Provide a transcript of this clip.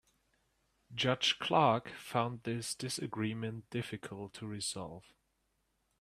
Judge Clark found this disagreement difficult to resolve.